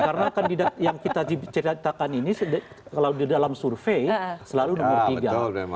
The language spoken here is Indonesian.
karena kandidat yang kita ceritakan ini kalau di dalam survei selalu nomor tiga